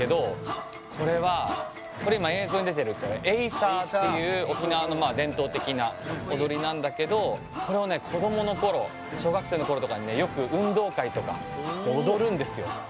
これは、今、映像に出ているエイサーっていう沖縄の伝統的な踊りなんだけどこれを子供のころ小学生のころとかによく運動会とか踊るんですよ。